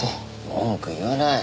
文句言わない。